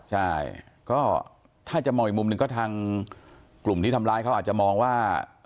ใช่ก็ถ้าจะมองอีกมุมหนึ่งก็ทางกลุ่มที่ทำร้ายเขาอาจจะมองว่า